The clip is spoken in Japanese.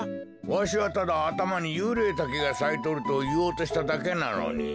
わしはただあたまにユウレイタケがさいとるといおうとしただけなのに。